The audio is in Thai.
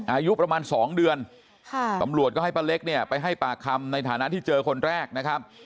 อายุประมาณ๒เดือนตำรวจก็ให้ป้าเล็กเนี่ยไปให้ปากคำในฐานะที่เจอคนแรกนะครับ